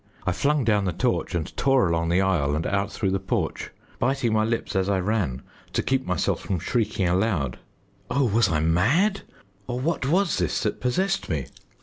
I flung down the torch and tore along the aisle and out through the porch, biting my lips as I ran to keep myself from shrieking aloud. Oh, was I mad or what was this that possessed me?